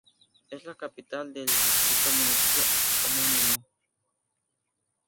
Es la capital del distrito-municipio homónimo.